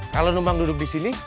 kalo numbang duduk disini